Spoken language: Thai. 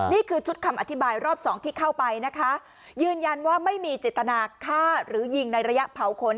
นี่คือชุดคำอธิบายรอบสองที่เข้าไปนะคะยืนยันว่าไม่มีเจตนาฆ่าหรือยิงในระยะเผาขน